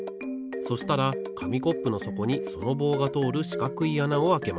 そしたらかみコップのそこにその棒がとおるしかくいあなをあけます。